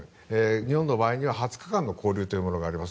日本においては２０日間の勾留というものがあります。